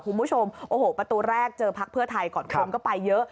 คุณผู้ชมโอ้โหประตูแรกเจอพักเพื่อไทยก่อนคนก็ไปเยอะ